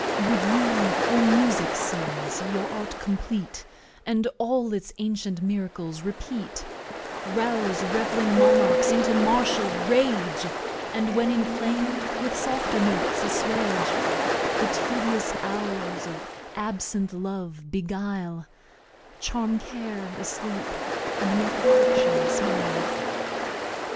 Wou'd you, O Musick's Sons, your art Compleat, And all its ancient Miracles repeat, Rouse Rev'ling Monarchs into Martial Rage, And, when Inflam'd, with Softer Notes As swage; The tedious Hours of absent Love beguile, Charm Care asleep, and make Affliction smile?